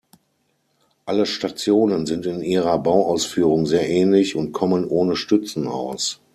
Alle Stationen sind in ihrer Bauausführung sehr ähnlich und kommen ohne Stützen aus.